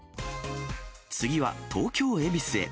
次は、東京・恵比寿へ。